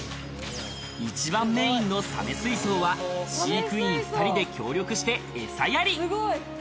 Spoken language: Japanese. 一番メインのサメ水槽は、飼育員２人で協力して餌やり。